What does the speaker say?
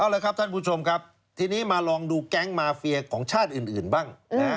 เอาละครับท่านผู้ชมครับทีนี้มาลองดูแก๊งมาเฟียของชาติอื่นบ้าง